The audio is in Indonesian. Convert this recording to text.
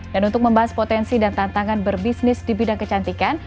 dan untuk membahas potensi dan tantangan berbisnis di bidang kecantikan